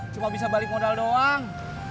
cuma bisa balik modal doang